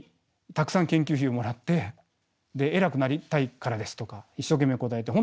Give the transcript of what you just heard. たくさん研究費をもらって偉くなりたいからですとか一生懸命答えて。